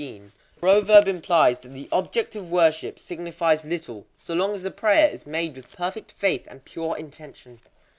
The proverb implies that the object of worship signifies little, so long as the prayer is made with perfect faith and pure intention.